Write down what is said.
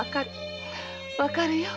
わかるよ。